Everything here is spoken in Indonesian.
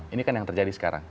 ini kan yang terjadi sekarang